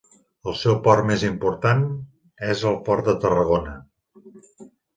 El seu port més important és el port de Tarragona.